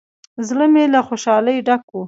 زړه مې له خوشالۍ ډک و.